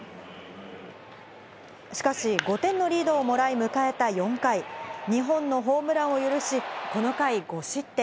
しかし５点のリードをもらい迎えた４回、２本のホームランを許し、この回５失点。